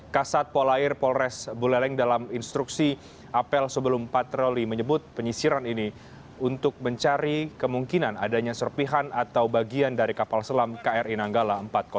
kasat polair polres buleleng dalam instruksi apel sebelum patroli menyebut penyisiran ini untuk mencari kemungkinan adanya serpihan atau bagian dari kapal selam kri nanggala empat ratus dua